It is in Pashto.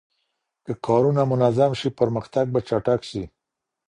که کارونه منظم سي پرمختګ به چټک سي.